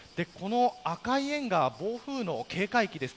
赤い円が暴風への警戒域です。